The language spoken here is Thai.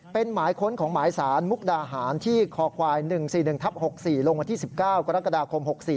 เป็นหมายค้นของหมายสารมุกดาหารที่คอควาย๑๔๑ทับ๖๔ลงวันที่๑๙กรกฎาคม๖๔